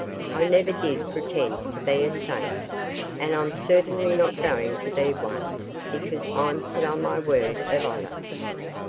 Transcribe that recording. I never did pretend to be a saint, and I'm certainly not going to be one because I'm put on my word of honour.